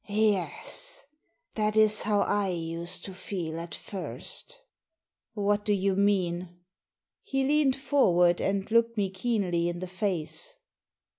" Yes, that is how I used to feel at first" " What do you mean ?'* He leaned forward and looked me keenly in the face.